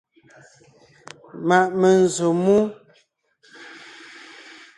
Ma’ menzsǒ mú.